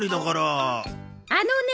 あのね